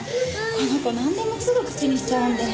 この子なんでもすぐ口にしちゃうんで。